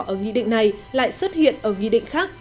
ở nghị định này lại xuất hiện ở nghị định khác